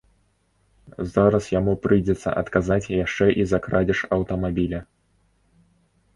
Зараз яму прыйдзецца адказаць яшчэ і за крадзеж аўтамабіля.